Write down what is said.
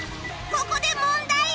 ここで問題